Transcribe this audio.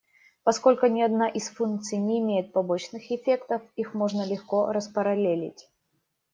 Поскольку ни одна из функций не имеет побочных эффектов, их можно легко распараллелить.